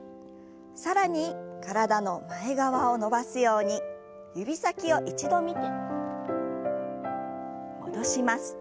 更に体の前側を伸ばすように指先を一度見て戻します。